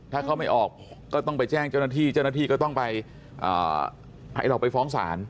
ถ้าเขาไม่ออกก็ต้องไปแจ้งเจ้าหน้าที่เจ้าหน้าที่ก็ต้องไปให้เราไปฟ้องศาล